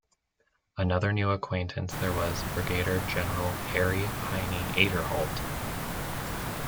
Another new acquaintance there was Brigadier General Harry "Heinie" Aderholt.